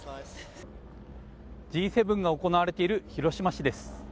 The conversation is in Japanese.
Ｇ７が行われている広島市です。